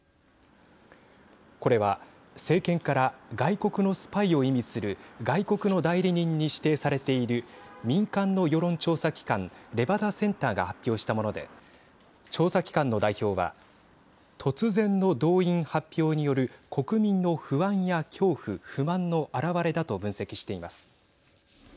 これは、政権から外国のスパイを意味する外国の代理人に指定されている民間の世論調査機関レバダセンターが発表したもので調査機関の代表は突然の動員発表による国民の不安や恐怖不満の表れだと分析しています。